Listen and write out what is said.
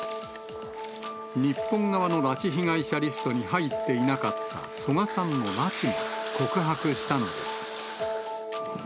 日本側の拉致被害者リストに入っていなかった曽我さんの拉致も、告白したのです。